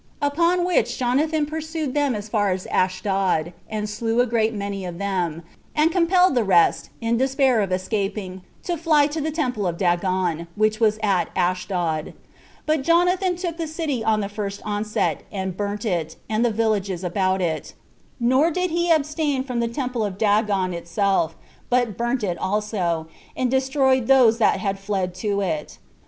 Upon which Jonathan pursued them as far as Ashdod, and slew a great many of them, and compelled the rest, in despair of escaping, to fly to the temple of Dagon, which was at Ashdod; but Jonathan took the city on the first onset, and burnt it, and the villages about it; nor did he abstain from the temple of Dagon itself, but burnt it also, and destroyed those that had fled to it.